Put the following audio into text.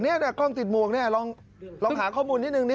นี่ไอ้กล้องติดมวงลองหาข้อมูลนิดหนึ่งนิด